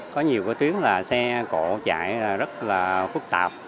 có nhiều cái tuyến là xe cổ chạy rất là phức tạp